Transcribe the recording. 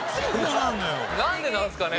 なんでなんですかね。